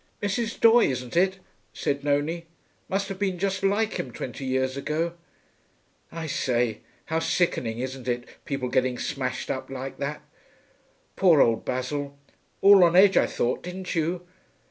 'Mrs. Doye, isn't it?' said Nonie. 'Must have been just like him twenty years ago.... I say, how sickening, isn't it, people getting smashed up like that. Poor old Basil. All on edge, I thought, didn't you?